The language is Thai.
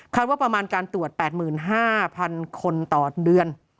ว่าประมาณการตรวจ๘๕๐๐๐คนต่อเดือน